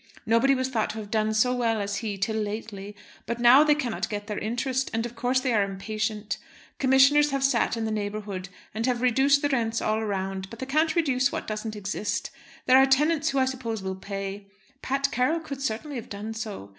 Nobody was thought to have done so well as he till lately; but now they cannot get their interest, and, of course, they are impatient. Commissioners have sat in the neighbourhood, and have reduced the rents all round. But they can't reduce what doesn't exist. There are tenants who I suppose will pay. Pat Carroll could certainly have done so.